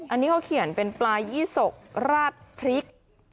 อันนี้เขาเขียนเป็นปลายี่สกราดพริก